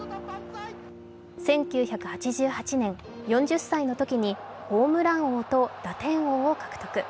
１９８８年、４０歳のときにホームラン王と打点王を獲得。